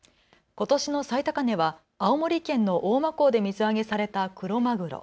ことしの最高値は青森県の大間港で水揚げされたクロマグロ。